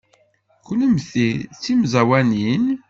Kennemti d timẓawanin?